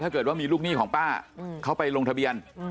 ถ้าเกิดว่ามีลูกหนี้ของป้าเขาไปลงทะเบียน